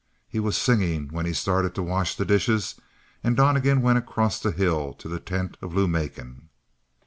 He was singing when he started to wash the dishes, and Donnegan went across the hill to the tent of Lou Macon.